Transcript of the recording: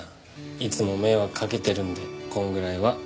いつも迷惑かけてるんでこれぐらいは。